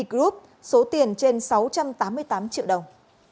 công ty b group số tiền trên sáu trăm tám mươi tám triệu đồng